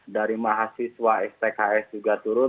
dari mahasiswa stks juga turun